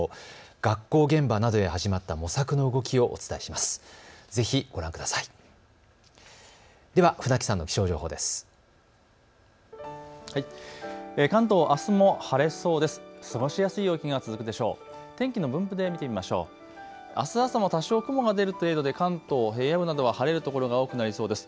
学校現場などで始まった模索の動きをお伝えします。